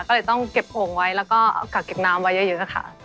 ก็เลยต้องเก็บโอ่งไว้แล้วก็เอากักเก็บน้ำไว้เยอะค่ะ